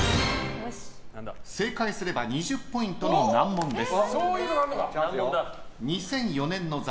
正解すれば２０ポイントの難問です。